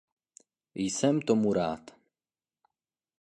Jsem tomu rád.